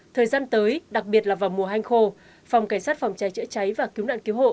thời gian tới đặc biệt là vào mùa hanh khô phòng cảnh sát phòng cháy chữa cháy và cứu nạn cứu hộ